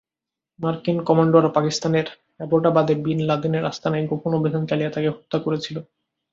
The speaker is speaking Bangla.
মার্কিন কমান্ডোরা পাকিস্তানের অ্যাবোটাবাদে বিন লাদেনের আস্তানায় গোপন অভিযান চালিয়ে তাঁকে হত্যা করেছিল।